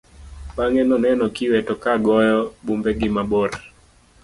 Bang'e noneno kiweto ka goyo bumbe gi mabor.